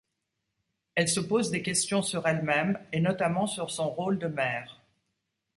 Elle se pose des questions sur elle-même et notamment sur son rôle de mère.